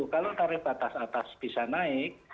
kalau tarif batas atas bisa naik